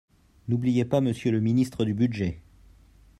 N’oubliez pas Monsieur le ministre du budget